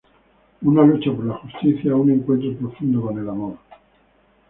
Una lucha por la justicia, un encuentro profundo con el amor.